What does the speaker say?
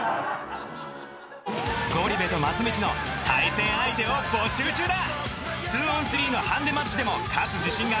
［ゴリ部と松道の対戦相手を募集中だ！］